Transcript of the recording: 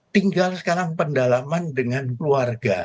tinggal sekarang pendalaman dengan keluarga